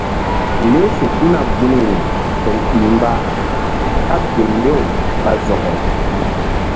Leh fe tuna gunri toŋ ɗih mba kaɓ gel mbew ɓa zɔke.